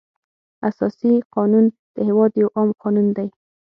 اساسي قانون د هېواد یو عام قانون دی.